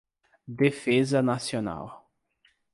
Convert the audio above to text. defesa nacional